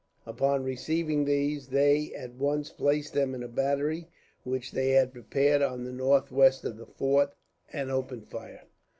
Upon receiving these, they at once placed them in a battery which they had prepared on the northwest of the fort, and opened fire.